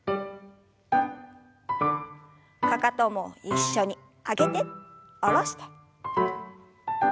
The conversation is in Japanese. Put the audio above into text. かかとも一緒に上げて下ろして。